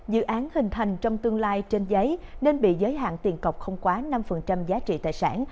dự án hình thành trong tương lai trên giấy nên bị giới hạn tiền cọc không quá năm giá trị tài sản